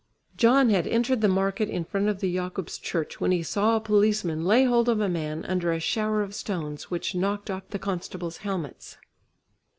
John had entered the market in front of the Jakob's church when he saw a policeman lay hold of a man, under a shower of stones which knocked off the constables' helmets.